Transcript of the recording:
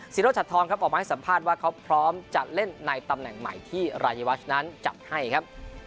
รถชัดทองครับออกมาให้สัมภาษณ์ว่าเขาพร้อมจะเล่นในตำแหน่งใหม่ที่รายวัชนั้นจัดให้ครับ